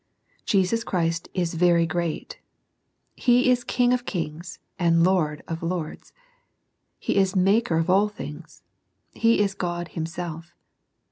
Jesus Christ is very great: He is King of kings, and Lord of lords : He is Maker of all things : He is God Himself.